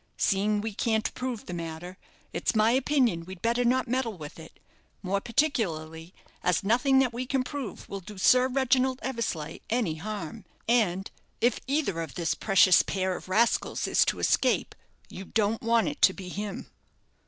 Seeing we can't prove the matter, it's my opinion we'd better not meddle with it, more particularly as nothing that we can prove will do Sir Reginald Eversleigh any harm, and, if either of this precious pair of rascals is to escape, you don't want it to be him."